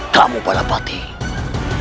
dan langkah selanjutnya